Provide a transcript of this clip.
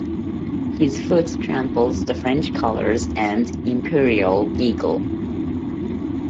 His foot tramples the French colours and Imperial Eagle.